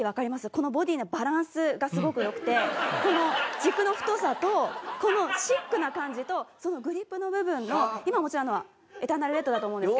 このボディーのバランスがすごく良くてこの軸の太さとこのシックな感じとそのグリップの部分の今お持ちなのはエターナルレッドだと思うんですけど。